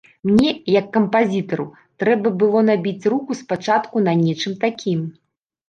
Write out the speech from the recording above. Мне, як кампазітару, трэба было набіць руку спачатку на нечым такім.